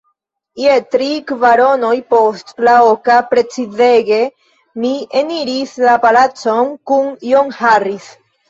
Je tri kvaronoj post la oka, precizege, mi eniris la palacon kun John Harris.